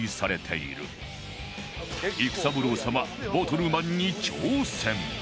育三郎様ボトルマンに挑戦